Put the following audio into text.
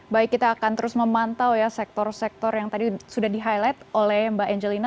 baik kita akan terus memantau ya sektor sektor yang tadi sudah di highlight oleh mbak angelina